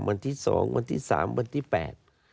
วันที่สองวันที่สามวันที่แปด